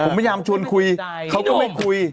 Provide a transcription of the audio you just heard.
ผมพยายามชวนคุยเขาก็ไม่คุย